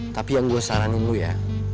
tapi yang gue saranin lu ya